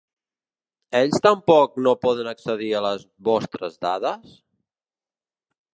Ells tampoc no poden accedir a les vostres dades?